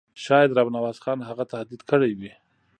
شاید رب نواز خان هغه تهدید کړی وي.